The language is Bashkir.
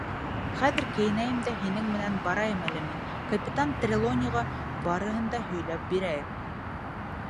Хәҙер кейенәм дә һинең менән барайым әле мин, капитан Трелониға барыһын да һөйләп бирәйем.